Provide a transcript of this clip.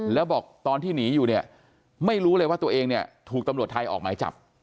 แล้วบอกตอนที่หนีอยู่เนี่ยไม่รู้เลยว่าตัวเองเนี่ยถูกตำรวจไทยออกหมายจับ